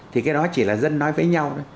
thì cái đó chỉ là dân nói với nhau